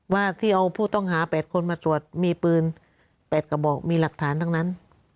ว่าที่เอาผู้ต้องหา๘คนมาตรวจมีปืน๘กระบอกมีหลักฐานทั้งนั้น